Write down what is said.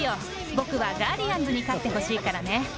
僕はガーディアンズに勝ってほしいからね。